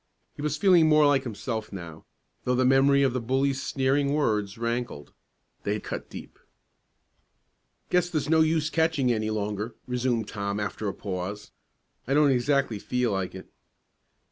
He was feeling more like himself now, though the memory of the bully's sneering words rankled. They had cut deep. "Guess there's no use catching any longer," resumed Tom after a pause. "I don't exactly feel like it."